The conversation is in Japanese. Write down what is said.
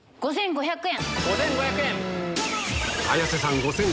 ５５００円。